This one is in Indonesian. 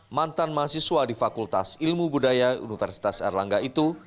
mantan mahasiswa di fakultas ilmu budaya universitas erlangga itu